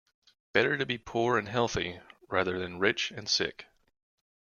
Better to be poor and healthy rather than rich and sick.